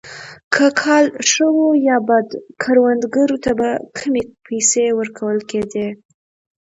که کال ښه وو یا بد کروندګرو ته به کمې پیسې ورکول کېدې.